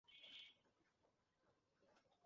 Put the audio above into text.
কিন্তু শালাটা আমার জায়গা নিতে চায়।